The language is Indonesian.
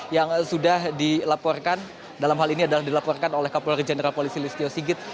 yang sudah dilaporkan dalam hal ini adalah dilaporkan oleh kapolri jenderal polisi listio sigit